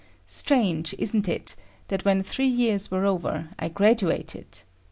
Strange, isn't it, that when three years were over, I graduated?